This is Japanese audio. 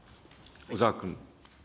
小沢君。